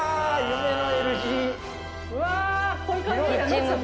夢のＬ字！